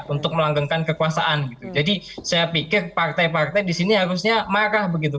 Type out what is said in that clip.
untuk melanggengkan kekuasaan jadi saya pikir partai partai di sini harusnya marah begitu